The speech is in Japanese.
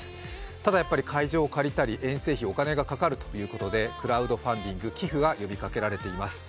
ただ、やっぱり会場を借りたり遠征費、お金がかかるということでクラウドファンディング、寄付が呼びかけられています。